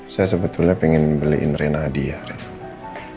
saya sebetulnya ingin beliin rena hadiah ren